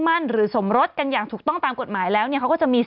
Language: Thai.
มั่นหรือสมรสกันอย่างถูกต้องตามกฎหมายแล้วเนี่ยเขาก็จะมี